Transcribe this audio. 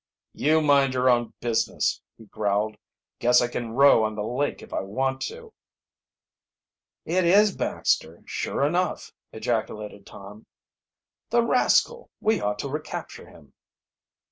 "You mind your own business," he growled. "Guess I can row on the lake if I want to." "It is Baxter, sure enough!" ejaculated Tom. "The rascal! We ought to recapture him."